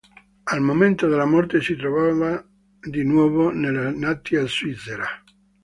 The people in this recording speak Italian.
Al momento della morte si trovava di nuovo nella natia Svizzera.